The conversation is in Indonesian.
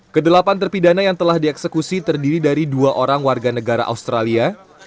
kedelapan terpidana yang telah dieksekusi terdiri dari dua orang warga negara australia